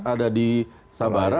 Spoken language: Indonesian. ada di sabara